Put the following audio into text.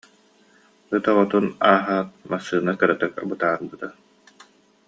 Ыт оҕотун ааһаат массыына кыратык бытаарбыта